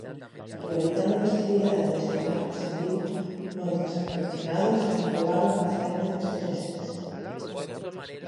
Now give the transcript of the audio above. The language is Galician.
Aproveitando a festividade deste martes en Vigo moitos afeccionados comprobaron a faena dos celestes.